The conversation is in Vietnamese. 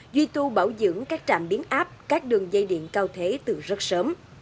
duy tu bảo dưỡng các trạm biến áp các đường dây điện cao thế từ rất sớm